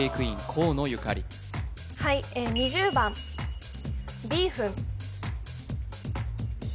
はい２０番ビーフン